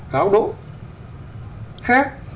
góc độ khác